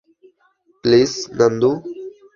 Please, Nandu!